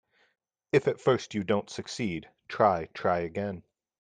If at first you don't succeed, try, try again.